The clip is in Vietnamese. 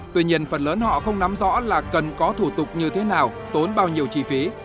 tuy nhiên phần lớn họ không nắm rõ là cần có thủ tục như thế nào tốn bao nhiêu chi phí